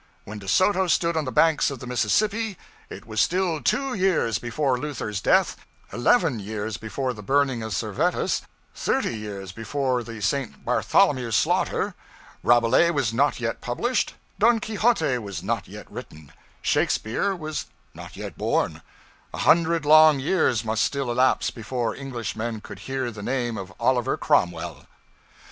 When De Soto stood on the banks of the Mississippi, it was still two years before Luther's death; eleven years before the burning of Servetus; thirty years before the St. Bartholomew slaughter; Rabelais was not yet published; 'Don Quixote' was not yet written; Shakespeare was not yet born; a hundred long years must still elapse before Englishmen would hear the name of Oliver Cromwell.